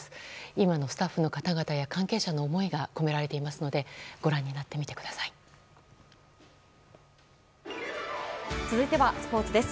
今のスタッフや関係者の思いが込められていますので続いてスポーツです。